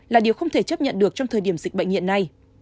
là điều không thể chấp nhận được trong thời điểm dịch bệnh hiện nay